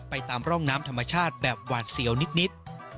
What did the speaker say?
ตามร่องน้ำธรรมชาติแบบหวาดเสียวนิด